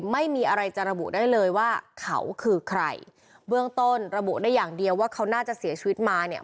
ไม่มีอะไรจะระบุได้เลยว่าเขาคือใครเบื้องต้นระบุได้อย่างเดียวว่าเขาน่าจะเสียชีวิตมาเนี่ย